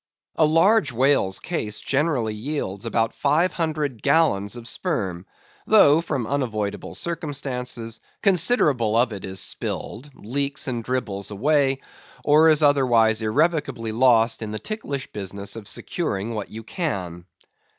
A large whale's case generally yields about five hundred gallons of sperm, though from unavoidable circumstances, considerable of it is spilled, leaks, and dribbles away, or is otherwise irrevocably lost in the ticklish business of securing what you can.